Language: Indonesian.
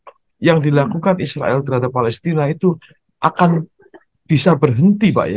nah yang dilakukan israel terhadap palestina itu akan bisa berhenti pak ya